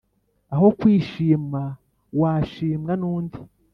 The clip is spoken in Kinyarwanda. aho kwishima washimwa n’undi